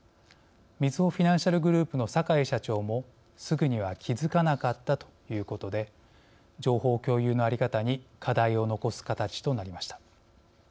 みずほフィナンシャルグループの坂井社長もすぐには気付かなかったということで情報共有の在り方に課題を残す形となりました。